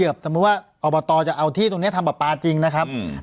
เขยิบสมมุติว่าอบอตรอจะเอาที่ตรงเนี้ยทำแบบป้าจริงนะครับอืม